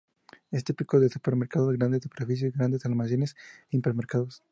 Es típico de supermercados, grandes superficies, grandes almacenes e hipermercados.